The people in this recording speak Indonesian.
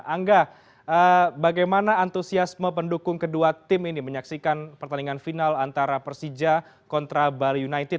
angga bagaimana antusiasme pendukung kedua tim ini menyaksikan pertandingan final antara persija kontra bali united